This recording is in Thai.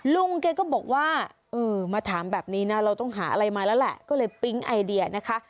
ลุงแกก็บอกว่าเออมาถามแบบนี้นะเราต้องหาอะไรมาแล้วแหละก็เลยปิ๊งไอเดียนะคะ